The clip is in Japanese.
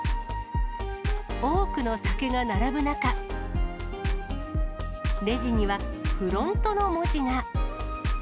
多くの酒が並ぶ中、レジにはフロントの文字が。